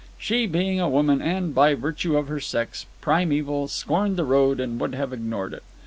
She, being a woman and, by virtue of her sex, primeval, scorned the road, and would have ignored it.